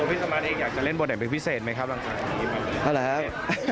พี่สมาร์ทเองอยากจะเล่นบทไหนเป็นพิเศษไหมครับ